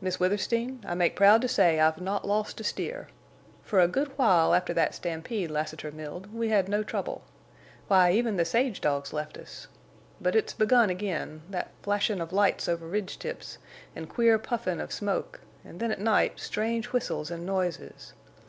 "Miss Withersteen, I make proud to say I've not lost a steer. Fer a good while after thet stampede Lassiter milled we hed no trouble. Why, even the sage dogs left us. But it's begun agin—thet flashin' of lights over ridge tips, an' queer puffin' of smoke, en' then at night strange whistles en' noises.